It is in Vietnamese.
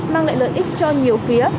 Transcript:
mang lại lợi ích cho nhiều phía